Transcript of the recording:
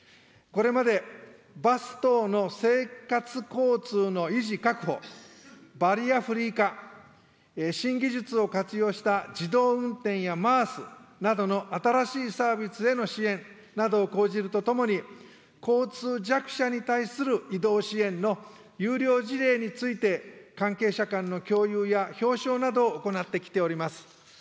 これまで、バス等の生活交通の維持・確保、バリアフリー化、新技術を活用した自動運転やＭａａＳなどの新しいサービスへの支援などを講じるとともに、交通弱者に対する移動支援の優良事例について、関係者間の共有や表彰などを行ってきております。